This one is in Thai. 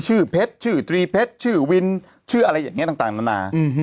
เพชรชื่อตรีเพชรชื่อวินชื่ออะไรอย่างนี้ต่างนานา